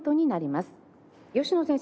吉野先生